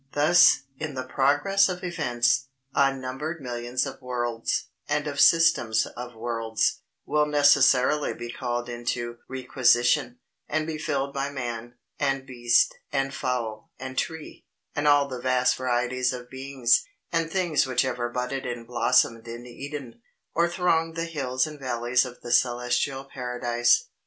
Thus, in the progress of events, unnumbered millions of worlds, and of systems of worlds, will necessarily be called into requisition, and be filled by man, and beast, and fowl, and tree, and all the vast varieties of beings, and things which ever budded and blossomed in Eden, or thronged the hills and valleys of the celestial Paradise.